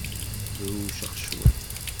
Drewceɣ cwiṭ.